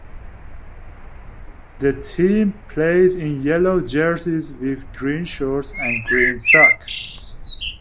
The team plays in yellow jerseys with green shorts and green socks.